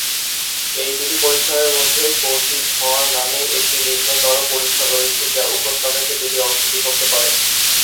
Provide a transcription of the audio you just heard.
এই দুটি পরিসরের মধ্যে কোটি ধর নামে একটি নিম্নতর পরিসর রয়েছে যা উপত্যকাকে দুটি অংশে বিভক্ত করে।